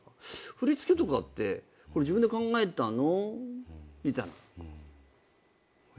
振り付けとかってこれ自分で考えたの？みたいな。